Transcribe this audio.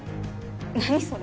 何それ？